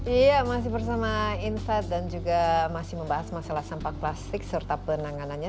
iya masih bersama insight dan juga masih membahas masalah sampah plastik serta penanganannya